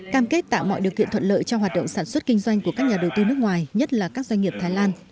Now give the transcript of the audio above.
cam kết tạo mọi điều kiện thuận lợi cho hoạt động sản xuất kinh doanh của các nhà đầu tư nước ngoài nhất là các doanh nghiệp thái lan